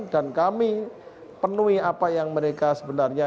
dan kami penuhi apa yang mereka sebenarnya